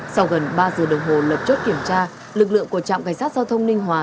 sau gần ba giờ đồng hồ lập chốt kiểm tra lực lượng của trạm cảnh sát giao thông ninh hòa